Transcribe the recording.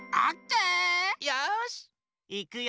よしいくよ。